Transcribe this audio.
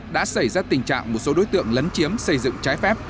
đã xảy ra tình trạng một số đối tượng lấn chiếm xây dựng trái phép